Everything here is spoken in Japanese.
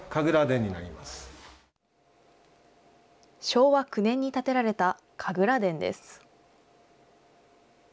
昭和９年に建てられた神楽殿です。